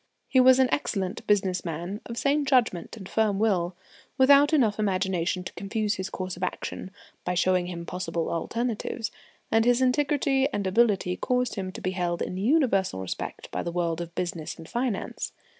He was an excellent business man, of sane judgment and firm will, without enough imagination to confuse his course of action by showing him possible alternatives; and his integrity and ability caused him to be held in universal respect by the world of business and finance.